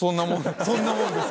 「そんなもんです」